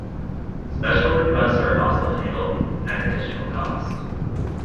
Special requests are also handled, at additional cost.